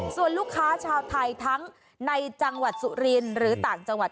ส่วนลูกค้าชาวไทยทั้งในจังหวัดสุรินหรือต่างจังหวัด